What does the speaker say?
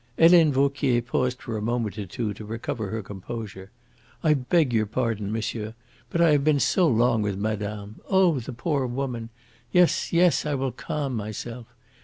Helene Vauquier paused for a moment or two to recover her composure. "I beg your pardon, monsieur, but I have been so long with madame oh, the poor woman! Yes, yes, I will calm myself.